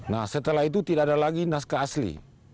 nah setelah itu tidak ada lagi naskah asli